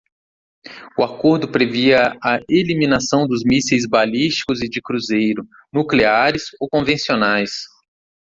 O acordo previa a eliminação dos mísseis balísticos e de cruzeiro, nucleares ou convencionais.